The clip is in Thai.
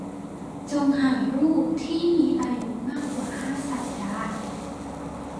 จงหารูปที่มีอายุมากกว่าห้าสัปดาห์